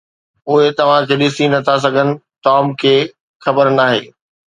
اهي توهان کي ڏسي نٿا سگهن، ٽام کي خبر ناهي